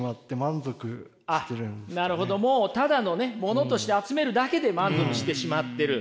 もうただのねものとして集めるだけで満足してしまってる。